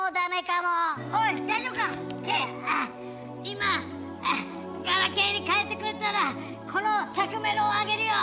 今ガラケーに替えてくれたらこの着メロをあげるよ！